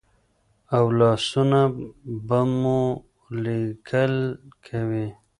او لاسونه به مو لیکل کوي.